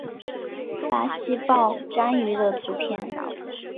巴西豹蟾鱼的图片